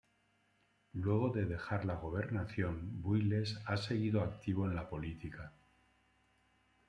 Luego de dejar la gobernación, Builes ha seguido activo en la política.